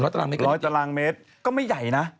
๑๐๐ตารางเมตรก็ไม่ใหญ่นะ